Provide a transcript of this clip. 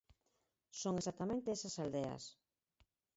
Son exactamente esas aldeas.